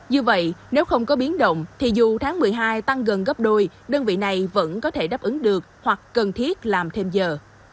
như vậy nếu không có biến động thì dù tháng một mươi hai tăng gần gấp đôi đơn vị này vẫn có thể đáp ứng được hoặc cần thiết làm thêm giờ